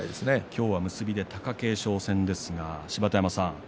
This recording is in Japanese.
今日は結びで貴景勝戦ですが、芝田山さん